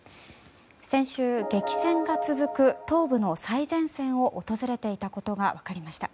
先週、激戦が続く東部の最前線を訪れていたことが分かりました。